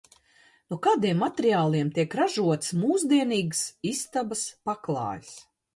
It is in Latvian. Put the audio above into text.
No kādiem materiāliem tiek ražots mūsdienīgs istabas paklājs?